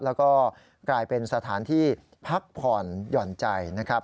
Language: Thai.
แล้วก็กลายเป็นสถานที่พักผ่อนหย่อนใจนะครับ